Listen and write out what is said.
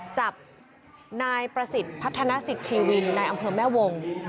จับนายประสิทธิ์พัฒนสิทธชีวินนายอำเภอแม่วง